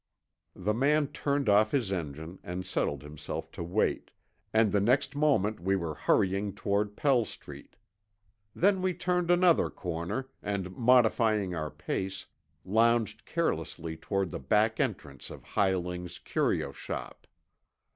The man turned off his engine and settled himself to wait, and the next moment we were hurrying toward Pell Street. Then we turned another corner and modifying our pace, lounged carelessly toward the back entrance of Hi Ling's curio shop.